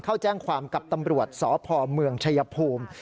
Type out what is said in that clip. เข้าแจ้งความกับตำรวจสพเมืองชายภูมิ